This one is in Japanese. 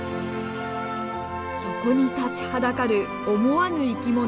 そこに立ちはだかる思わぬ生き物。